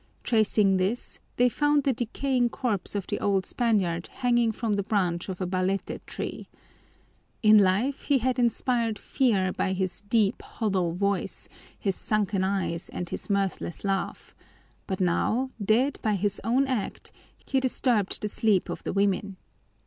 Tracing this, they found the decaying corpse of the old Spaniard hanging from the branch of a balete tree. In life he had inspired fear by his deep, hollow voice, his sunken eyes, and his mirthless laugh, but now, dead by his own act, he disturbed the sleep of the women.